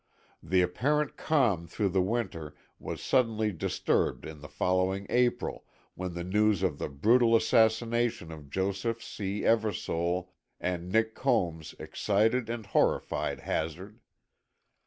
The apparent calm through the winter was suddenly disturbed in the following April, when the news of the brutal assassination of Joseph C. Eversole and Nick Combs excited and horrified Hazard.